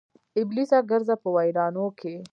ابلیسه ګرځه په ویرانو کې